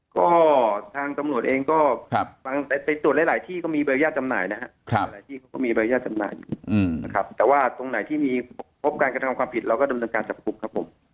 ก็ทางกำหนดเองก็ตรงหลายที่ก็มีบริญญาณจำหน่ายนะครับแต่ว่าตรงไหนที่มีพบการกระทำความผิดเราก็ต้องการจำหน่ายครับผม